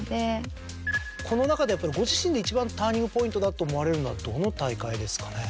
この中でやっぱりご自身で一番ターニングポイントだと思われるのはどの大会ですかね？